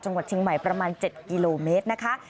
จังหวัดเชียงใหม่ประมาณ๗กิโลเมตรนะคะ